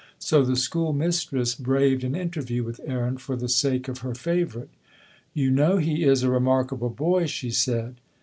So the school mistress braved an interview with Aaron for the sake of her favorite. "You know he is a remarkable boy," she said.